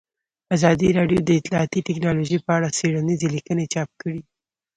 ازادي راډیو د اطلاعاتی تکنالوژي په اړه څېړنیزې لیکنې چاپ کړي.